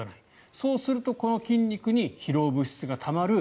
そうするとこの筋肉に疲労物質がたまる。